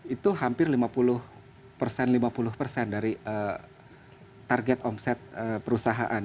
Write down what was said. itu hampir lima puluh persen dari target omset perusahaan